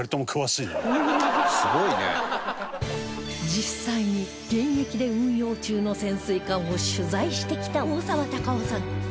実際に現役で運用中の潜水艦を取材してきた大沢たかおさん